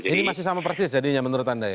ini masih sama persis jadinya menurut anda ya